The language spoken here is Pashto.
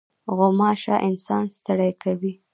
غوماشه انسان ستړی کوي.